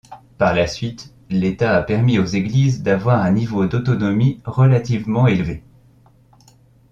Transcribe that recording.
Par la suite, l'État a permis aux Églises d'avoir un niveau d'autonomie relativement élevé.